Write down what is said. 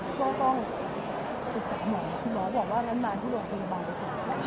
อุตส่าห์หมอคุณหมอบอกว่านั้นมาที่โรงพยาบาลด้วย